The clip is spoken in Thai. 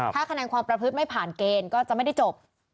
ถ้าคะแนนความประพฤติไม่ผ่านเกณฑ์ก็จะไม่ได้จบ